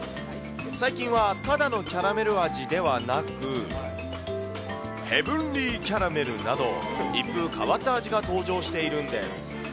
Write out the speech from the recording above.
最近は、ただのキャラメル味ではなく、ヘブンリーキャラメルなど、一風変わった味が登場しているんです。